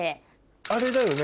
あれだよね？